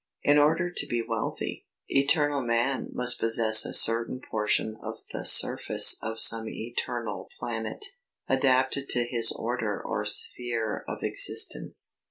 In order to be wealthy, eternal man must possess a certain portion of the surface of some eternal planet, adapted to his order or sphere of existence.